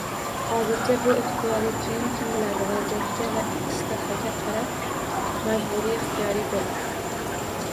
Hozircha bu ixtiyoriy, keyin kim biladi, vaziyatga va ishtahaga qarab, majburiy-ixtiyoriy bo'ladi